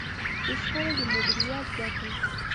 د شخړې د مديريت ګټې.